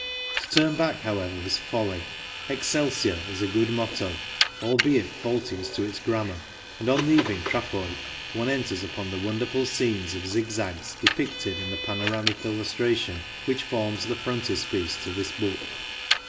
To turn back, however, is folly ;" Ex celsior" is a good motto, albeit faulty as to its grammar, and on leaving Trafoi one enters upon the wonderful series of zig zags depicted in the panoramic illustration which forms the frontispiece to this book.